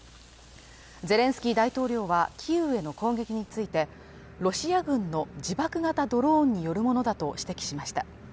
ゼレンスキー大統領はキーウへの攻撃についてロシア軍の自爆型ドローンによるものだと指摘しました